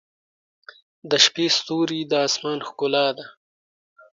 • د شپې ستوري د آسمان ښکلا ده.